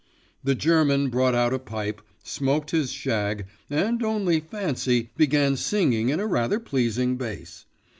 The German brought out a pipe, smoked his shag, and, only fancy, began singing in a rather pleasing bass.